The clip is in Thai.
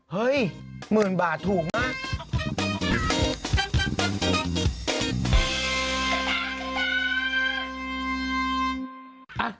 เฮ้ยหมื่นบาทถูกมาก